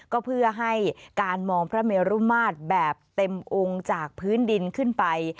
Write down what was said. ก็เพื่อให้การมองพระเมรุมาตรแบบเต็มองค์จากพื้นดินขึ้นไป